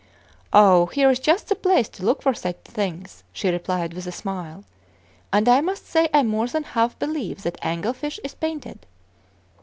"Oh, here is just the place to look for such things," she replied with a smile; "and I must say I more than half believe that Angel Fish is painted."